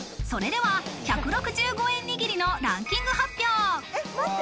それでは１６５円の握りのランキング発表。